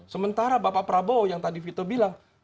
sementara bapak prabowo yang tadi vito bilang